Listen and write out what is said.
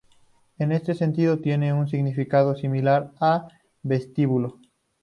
En este sentido, tiene un significado similar a vestíbulo.